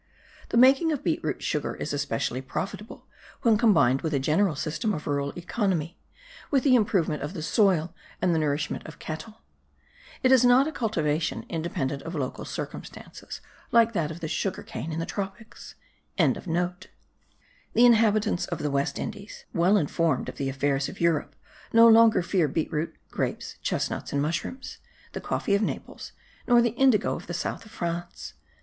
The making of beetroot sugar is especially profitable when combined with a general system of rural economy, with the improvement of the soil and the nourishment of cattle: it is not a cultivation independent of local circumstances, like that of the sugar cane in the tropics.) The inhabitants of the West Indies, well informed of the affairs of Europe, no longer fear beet root, grapes, chesnuts, and mushrooms, the coffee of Naples nor the indigo of the south of France.